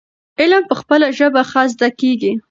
علم په خپله ژبه ښه زده کيږي.